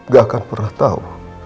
gak akan pernah tau